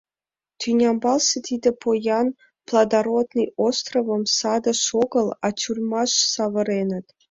Тӱнямбалсе тиде поян, плодородный островым садыш огыл, а тюрьмаш савыреныт.